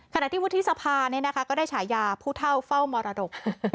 ขณะที่วุฒิสภาก็ได้ฉายาผู้เท่าเฝ้ามรดก